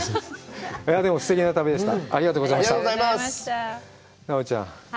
でも、すてきな旅でした。